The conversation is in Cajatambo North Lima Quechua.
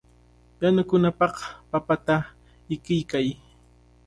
Yanukunapaq papata ikiykay.